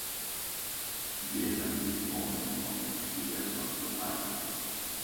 διέταξε η θυμωμένη φωνή της κυρίας Βασιωτάκη.